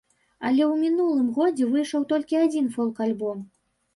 Але ў мінулым годзе выйшаў толькі адзін фолк-альбом.